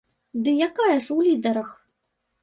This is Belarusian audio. Дык якая ж у лідарах?